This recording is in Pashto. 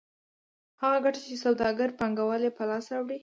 هغه ګټه چې سوداګر پانګوال یې په لاس راوړي